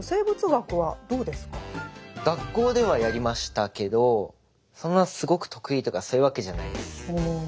学校ではやりましたけどそんなすごく得意とかそういうわけじゃないです。